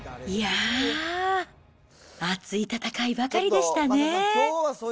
いやぁ、熱い戦いばかりでしたね。